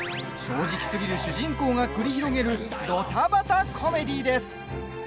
正直すぎる主人公が繰り広げるドタバタコメディーです。